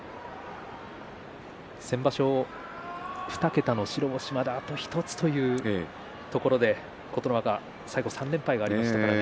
先場所、２桁の白星まであと１つというところで琴ノ若最後３連敗がありましたからね。